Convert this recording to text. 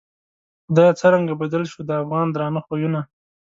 خدایه څرنگه بدل شوو، د افغان درانه خویونه